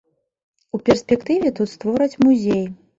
У перспектыве тут створаць музей.